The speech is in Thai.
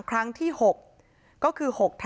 สวัสดีครับ